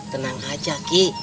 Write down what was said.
tenang aja ki